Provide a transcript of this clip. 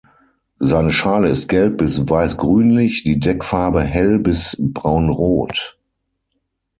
Seine Schale ist gelb- bis weiß-grünlich, die Deckfarbe hell- bis braunrot.